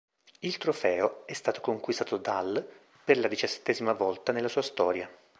Il trofeo è stato conquistato dal per la diciassettesima volta nella sua storia.